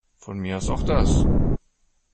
Von mir aus auch das.